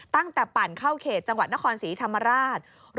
ปั่นเข้าเขตจังหวัดนครศรีธรรมราช